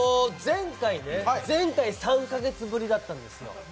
前回、３か月ぶりだったんですよ。